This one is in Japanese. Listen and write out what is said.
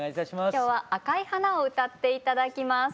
今日は「紅い花」を歌って頂きます。